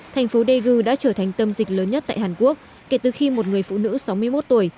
thành phố daegu đã trở thành tâm dịch lớn nhất tại hàn quốc kể từ khi một người phụ nữ sáu mươi một tuổi